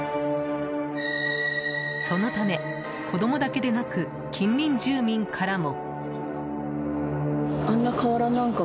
そのため、子供だけでなく近隣住民からも。